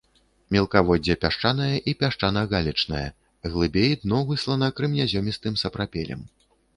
Мелкаводдзе пясчанае і пясчана-галечнае, глыбей дно выслана крэменязёмістым сапрапелем.